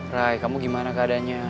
rai kamu gimana keadanya